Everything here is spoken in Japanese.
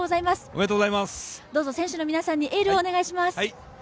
どうぞ選手の皆さんにエールをお願いします。